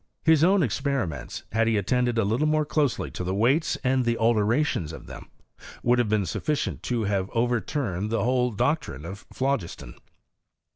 His own experi ments, had he attended a little more closely to the weights, and the alterations of them, would have been' I HISTORT OF CHEMISTKT. sufficient to have overturned the whole doctrine of phlogiston.